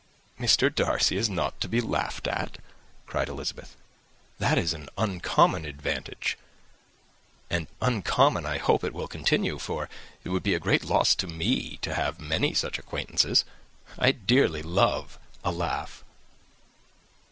"Mr. Darcy is not to be laughed at!" cried Elizabeth. "That is an uncommon advantage, and uncommon I hope it will continue, for it would be a great loss to me to have many such acquaintance. I dearly love a laugh."